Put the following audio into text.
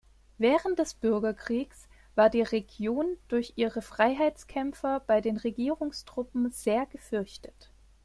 Während des Bürgerkrieges war die Region durch ihre Freiheitskämpfer bei den Regierungstruppen sehr gefürchtet.